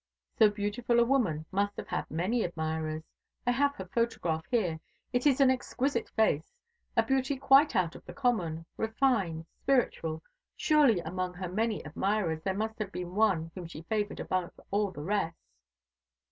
So beautiful a woman must have had many admirers. I have her photograph here. It is an exquisite face, a beauty quite out of the common, refined, spiritual. Surely among her many admirers there must have been one whom she favoured above all the rest?"